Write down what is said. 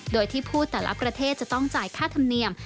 โดยที่ผู้แต่ละประเทศจะต้องจ่ายค่าธรรมเนียม